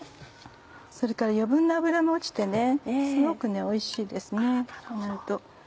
それから余分な脂も落ちてすごくおいしいですね。